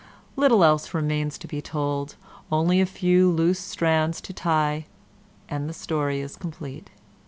Little else remains to be told; only a few loose strands to tie, and the story is complete.